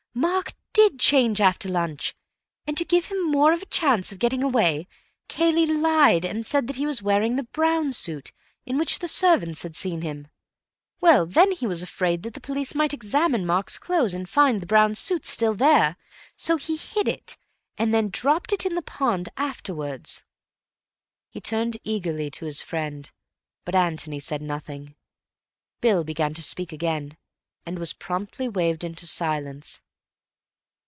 Mark did change after lunch, and, to give him more of a chance of getting away, Cayley lied and said that he was wearing the brown suit in which the servants had seen him. Well, then he was afraid that the police might examine Mark's clothes and find the brown suit still there, so he hid it, and then dropped it in the pond afterwards." He turned eagerly to his friend, but Antony said nothing. Bill began to speak again, and was promptly waved into silence.